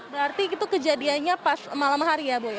berarti itu kejadiannya pas malam hari ya bu ya